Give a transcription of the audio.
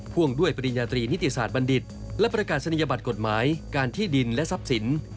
วงด้วยปริญญาตรีนิติศาสตร์บัณฑิตและประกาศนียบัตรกฎหมายการที่ดินและทรัพย์สิน